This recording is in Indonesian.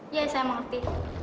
iya saya mengerti